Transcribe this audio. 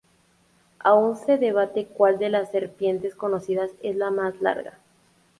Aún se debate cuál de las serpientes conocidas es la más larga.